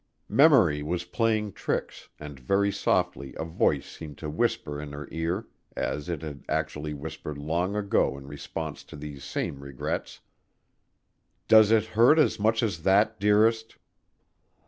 Memory was playing tricks and very softly a voice seemed to whisper in her ear, as it had actually whispered long ago in response to these same regrets, "Does it hurt as much as that, dearest?"